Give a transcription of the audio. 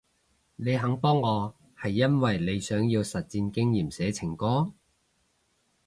你肯幫我係因為你想要實戰經驗寫情歌？